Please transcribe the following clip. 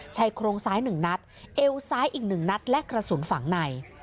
ชัยโครงซ้ายหนึ่งนัดเอวซ้ายอีกหนึ่งนัดและกระสุนฝั่งใน